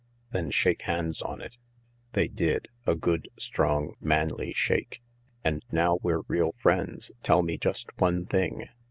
"Then shake hands on it." They did — a good, strong, manly shake. " And now we're real friends, tell me just one thing.